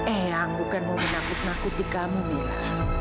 eyang bukan mau menakut nakuti kamu mila